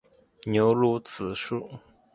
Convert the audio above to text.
牛乳子树